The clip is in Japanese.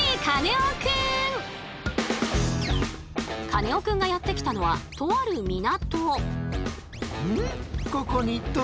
カネオくんがやって来たのはとある港。